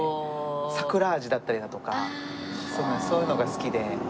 桜味だったりだとかそういうのが好きで。